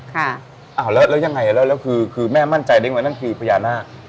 อ้าวแล้วแล้วยังไงแล้วแล้วคือคือแม่มั่นใจได้ไหมนั่นคือพญานาค